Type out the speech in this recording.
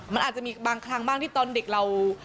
มันอาจจะมีบางครั้งบ้างที่ตอนเด็กเรา